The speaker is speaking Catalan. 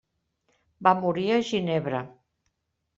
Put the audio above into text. Va morir a Ginebra.